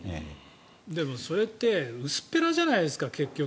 でも、それって薄っぺらじゃないですか。